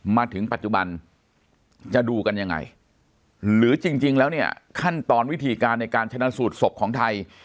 มาถึงปัจจุบันจะดูกันยังไงหรือจริงแล้วเนี่ยขั้นตอนวิธีการในการชนะสูตรศพของไทย